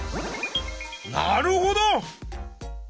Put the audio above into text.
なるほど！